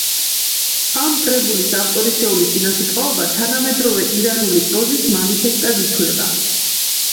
ამ კრებულის ავტორისეული წინასიტყვაობა თანამედროვე ირანული პროზის მანიფესტად ითვლება.